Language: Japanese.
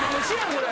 これ。